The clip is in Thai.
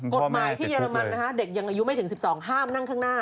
กฎหมายที่เรมันนะคะเด็กยังอายุไม่ถึง๑๒ห้ามนั่งข้างหน้า